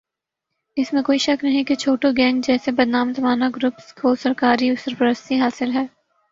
اس میں کوئ شک نہیں کہ چھوٹو گینگ جیسے بدنام زمانہ گروپس کو سرکاری سرپرستی حاصل ہے